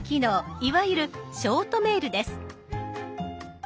いわゆるショートメールです。